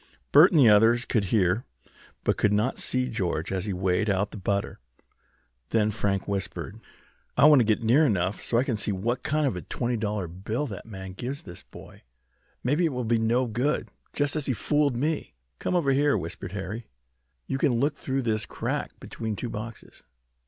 Bert and the others could hear, but could not see George as he weighed out the butter. Then Frank whispered: "I want to get near enough so I can see what kind of a twenty dollar bill that man gives this boy. Maybe it will be no good, just as he fooled me." "Come over here," whispered Harry. "You can look through this crack between two boxes.